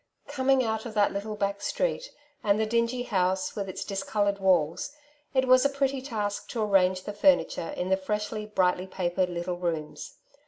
Coming, out of that little back street, and the dingy house, with its discoloured walls, it was a pretty task to arrange the furniture in the freshly, brightly papered little rooms.